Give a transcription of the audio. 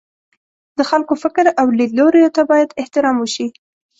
د خلکو فکر او لیدلوریو ته باید احترام وشي.